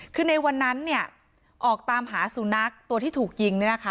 คือในวันนั้นเนี่ยออกตามหาสุนัขตัวที่ถูกยิงเนี่ยนะคะ